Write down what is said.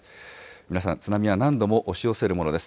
皆さん、津波は何度も押し寄せるものです。